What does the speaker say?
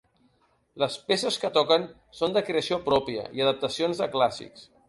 Les peces que toquen són de creació pròpia i adaptacions de clàssics.